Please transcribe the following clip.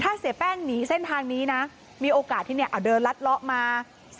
ถ้าเสียแป้งหนีเส้นทางนี้นะมีโอกาสที่เนี่ยเอาเดินลัดเลาะมา